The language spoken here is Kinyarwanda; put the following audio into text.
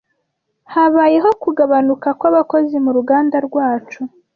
Habayeho kugabanuka kwabakozi muruganda rwacu.